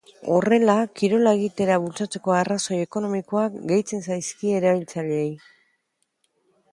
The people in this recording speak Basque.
Horrela, kirola egitera bultzatzeko arrazoi ekonomikoak gehitzen zaizkie erabiltzaileei.